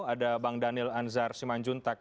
ada bang daniel anzar simanjuntak